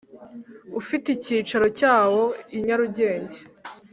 ufite icyicaro cyawo i Nyarugenge